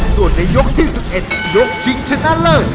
ส่วนในยกที่๑๑ยกชิงชนะเลิศ